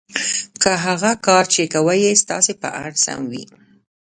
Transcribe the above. که هغه کار چې کوئ یې ستاسې په اند سم وي